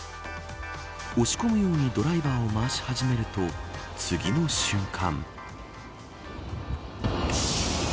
押し込むようにドライバーを回し始めると次の瞬間。